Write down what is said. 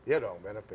iya dong benefit